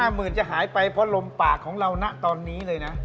หมื่นจะหายไปเพราะลมปากของเรานะตอนนี้เลยนะ